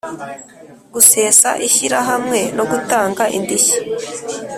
Gusesa ishyirahamwe no gutanga indishyi